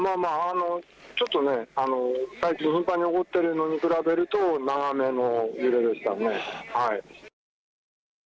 ちょっと最近頻繁に起こってるのに比べると長めの揺れでしたね。